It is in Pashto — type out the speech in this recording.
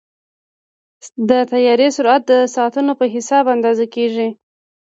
د طیارې سرعت د ساعتونو په حساب اندازه کېږي.